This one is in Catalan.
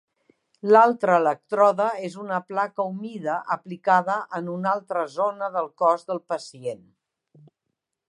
L'altre elèctrode és una placa humida aplicada en una altra zona del cos del pacient.